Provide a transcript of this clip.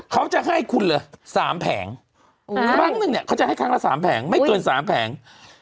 เขาจะให้คุณเลย๓แผงครั้งนึงเนี่ยเขาจะให้ครั้งละ๓แผงไม่เกิน๓แผง